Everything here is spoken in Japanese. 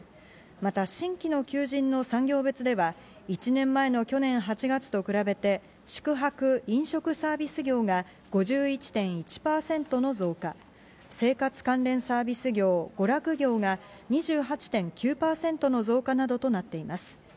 また新規の求人の産業別では、１年前の去年８月と比べて、宿泊・飲食サービス業が５１．１％の増加、生活関連サービス業・娯楽業が２８．９％の増加などとなっています。